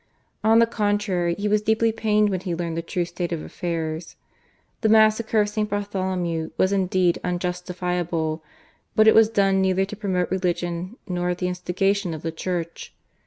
On the contrary he was deeply pained when he learned the true state of affairs. The massacre of St. Bartholomew was indeed unjustifiable, but it was done neither to promote religion nor at the instigation of the Church.